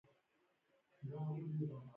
د اوسټیوسارکوما د هډوکو سرطان دی.